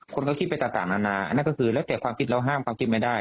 คนก็คิดไปต่างนานาอันนั้นก็คือแล้วแต่ความคิดเราห้ามความคิดไม่ได้